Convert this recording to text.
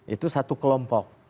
itu satu kelompok